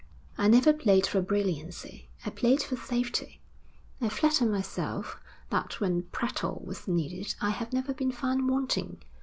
'I never played for brilliancy, I played for safety. I flatter myself that when prattle was needed, I have never been found wanting.